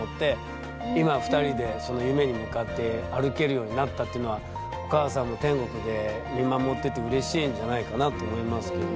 今２人でその夢に向かって歩けるようになったっていうのはお母さんも天国で見守っててうれしいんじゃないかなって思いますけど。